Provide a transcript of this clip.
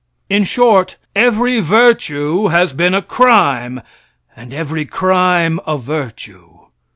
In short, every virtue has been a crime, and every crime a virtue.